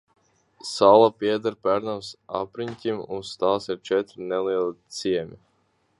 Sala pieder Pērnavas apriņķim, uz tās ir četri nelieli ciemi.